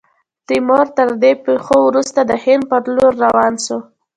تیمور، تر دې پیښو وروسته، د هند پر لور روان سو.